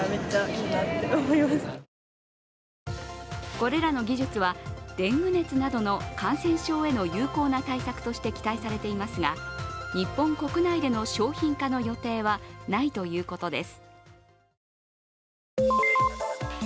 これらの技術はデング熱などの感染症への有効な対策として期待されていますが日本国内での商品化の予定はないということです。